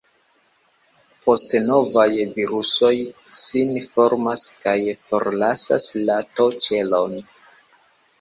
Poste novaj virusoj sin formas kaj forlasas la T-ĉelon.